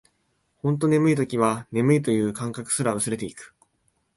ほんと眠い時は、眠いという感覚すら薄れていく